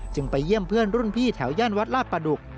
ไปเยี่ยมเพื่อนรุ่นพี่แถวย่านวัดลาดประดุก